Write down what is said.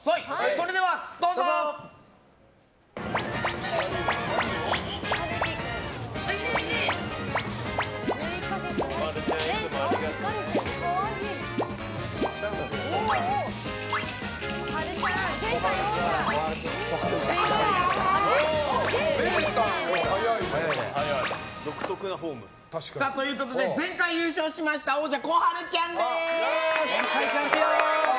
それではどうぞ！ということで、前回優勝した王者のこはるちゃんです！